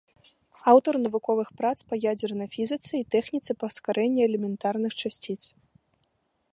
Аўтар навуковых прац па ядзернай фізіцы і тэхніцы паскарэння элементарных часціц.